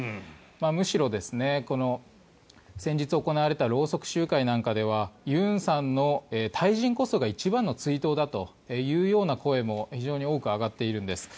むしろ、先日行われたろうそく集会なんかでは尹さんの退陣こそが一番の追悼だというような声も非常に多く上がっているんです。